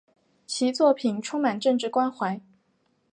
其作品充满政治关怀。